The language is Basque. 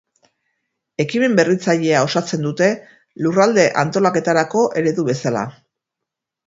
Ekimen berritzailea osatzen dute lurralde antolaketarako eredu bezala.